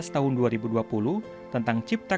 sehingga kita bisa memiliki kekuatan yang berbeda